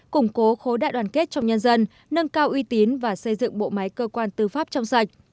củng cố khối đại đoàn kết trong nhân dân nâng cao uy tín và xây dựng bộ máy cơ quan tư pháp trong sạch